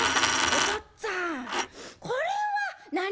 おとっつぁんこれは何？」。